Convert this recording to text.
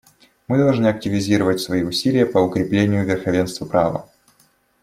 Мы должны активизировать свои усилия по укреплению верховенства права.